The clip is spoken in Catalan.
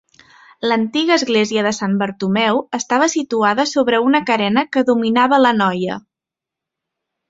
L'antiga església de Sant Bartomeu estava situada sobre una carena que dominava l'anoia.